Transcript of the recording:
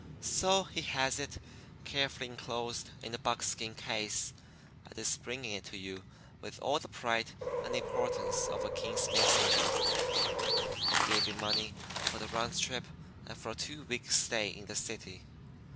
"'So he has it, carefully enclosed in a buck skin case, and is bringing it to you with all the pride and importance of a king's messenger. I gave him money for the round trip and for a two weeks' stay in the city.